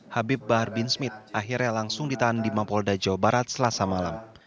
habib bahar bin smith akhirnya langsung ditahan di mampolda jawa barat selasa malam